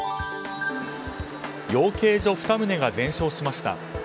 養鶏所２棟が全焼しました。